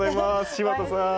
柴田さん。